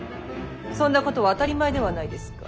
そんなことは当たり前ではないですか。